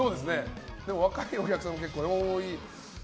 でも若いお客さんも結構、多い。